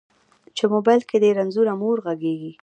چې موبایل کې دې رنځوره مور غږیږي